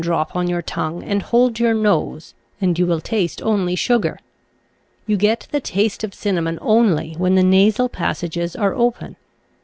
drop on your tongue and hold your nose and you will taste only sugar. You get the taste of cinnamon only when the nasal passages are open.